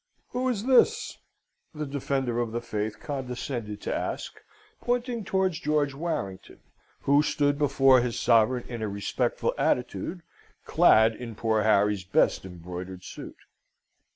"Who is this?" the Defender of the Faith condescended to ask, pointing towards George Warrington, who stood before his sovereign in a respectful attitude, clad in poor Harry's best embroidered suit.